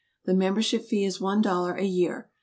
The membership fee is one dollar a year.